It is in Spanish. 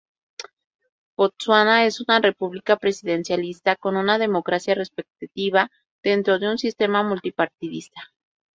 Botsuana es una república presidencialista con una democracia representativa dentro de un sistema multipartidista.